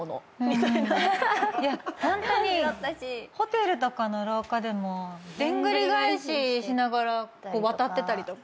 ホテルとかの廊下でもでんぐり返ししながら渡ってたりとか。